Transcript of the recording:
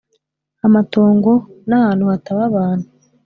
amatongo nahantu htaba abantu.